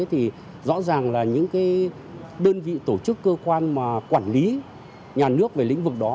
thì rõ ràng là những cái đơn vị tổ chức cơ quan mà quản lý nhà nước về lĩnh vực đó